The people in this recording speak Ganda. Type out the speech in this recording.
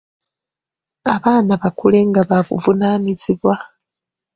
Abaana bakule nga ba buvunaanyizibwa.